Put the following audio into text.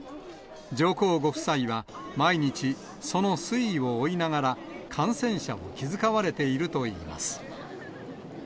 上皇ご夫妻は毎日、その推移を追いながら、感染者を気遣われているといいます。